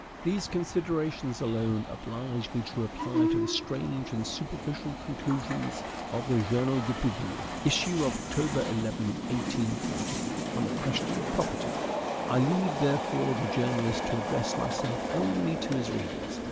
These considerations alone oblige me to reply to the strange and superficial conclusions of the "Journal du Peuple" (issue of Oct. 11, 1840), on the question of property. I leave, therefore, the journalist to address myself only to his readers.